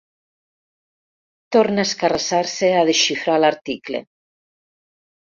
Torna a escarrassar-se a desxifrar l'article.